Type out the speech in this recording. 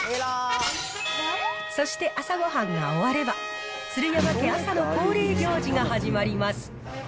そして朝ごはんが終われば、鶴山家、朝の恒例行事が始まります。